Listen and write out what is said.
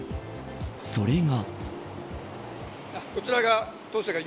それが。